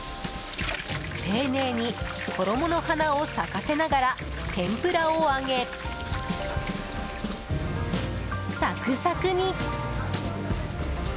丁寧に衣の花を咲かせながら天ぷらを揚げ、サクサクに！